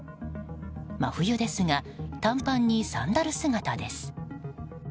真冬ですが短パンにサンダル姿です。